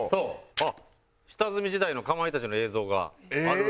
あっ下積み時代のかまいたちの映像がある？